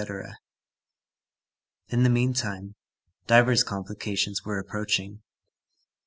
In the meantime, divers complications were approaching.